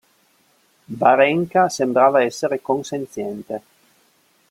Varen’ka sembrava essere consenziente.